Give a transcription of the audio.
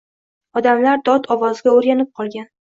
Odamlar dod ovoziga o‘rganib qolgan